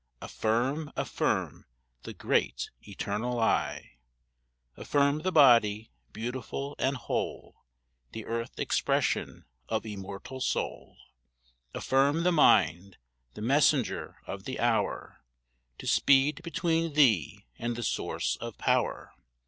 Affirm, affirm, the Great Eternal I. Affirm the body, beautiful and whole, The earth expression of immortal soul. Affirm the mind, the messenger of the hour, To speed between thee and the source of power.